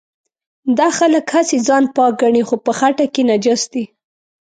دا خلک هسې ځان پاک ګڼي خو په خټه کې نجس دي.